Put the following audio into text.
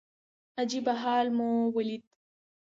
عجيبه حال مو وليد .